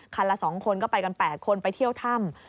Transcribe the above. ละ๒คนก็ไปกัน๘คนไปเที่ยวถ้ำ